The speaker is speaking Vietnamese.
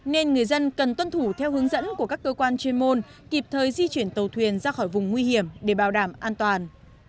nên người dân cần tuân thủ theo hướng dẫn của các cơ quan chuyên môn kịp thời di chuyển tàu thuyền ra khỏi vùng nguy hiểm để bảo đảm an toàn